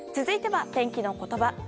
続いては、天気のことば。